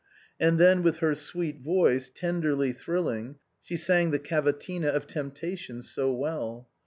And then with her sweet voice, tenderly thrilling, she sang the cavatina of temptation so well.